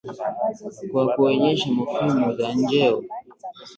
kwa kuonyesha mofimu za njeo